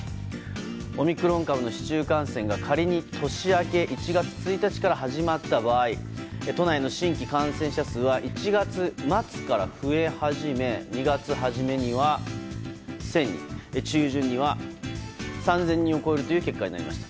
オミクロン株の市中感染が仮に年明け１月１日から始まった場合都内の新規感染者数は１月末から増え始め２月初めには、１０００人中旬には３０００人を超えるという結果になりました。